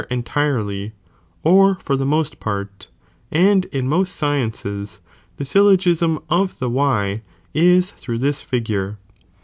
entirely or for the most port, and ii (he iyllogisiD of the why is through this figure.